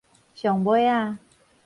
上尾仔